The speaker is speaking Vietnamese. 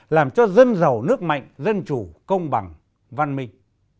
làm cho dân giàu nước mạnh dân chủ công bằng văn minh